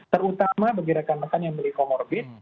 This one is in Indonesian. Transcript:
terutama bagi rekan rekan yang beli comorbid